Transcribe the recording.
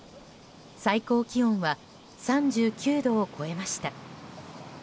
最高気温は３９度を超えました。